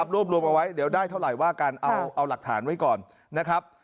รวบรวมเอาไว้เดี๋ยวได้เท่าไหร่ว่ากันเอาหลักฐานไว้ก่อนนะครับ